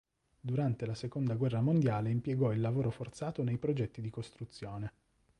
Durante la seconda guerra mondiale impiegò il lavoro forzato nei progetti di costruzione.